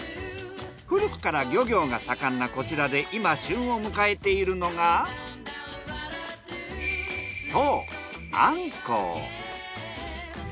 古くから漁業が盛んなこちらで今旬を迎えているのがそうアンコウ。